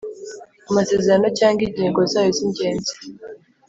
Amasezerano cyangwa ingingo zayo z ingenzi